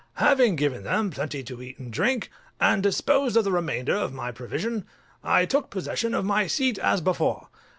Having given them plenty to eat and drink, and disposed of the remainder of my provision, I took possession of my seat as before.